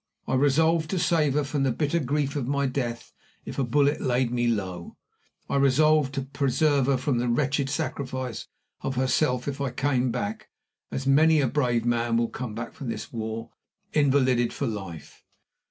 I resolved to save her from the bitter grief of my death if a bullet laid me low. I resolved to preserve her from the wretched sacrifice of herself if I came back, as many a brave man will come back from this war, invalided for life.